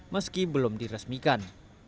meski belum diresmikan